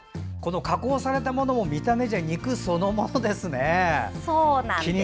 加工されたものは見た目じゃ肉そのものですね。